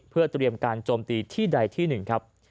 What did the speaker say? เพื่อเตรียมการโจมตีที่ใดที่หนึ่งครับ